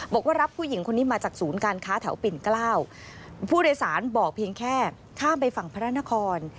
บอกว่ารับผู้หญิงคนนี้มาจากศูนย์การค้าแถวปิ่นเกล้าผู้โดยสารบอกเพียงแค่ข้ามไปฝั่งพระนคร